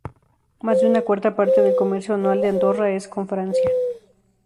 Más de una cuarta parte del comercio anual de Andorra es con Francia.